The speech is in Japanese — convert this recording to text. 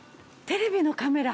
テレビのカメラ？